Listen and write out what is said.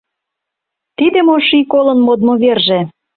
Тиде мо ший колын модмо верже?